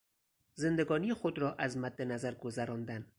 زندگانی خود را از مد نظر گذراندن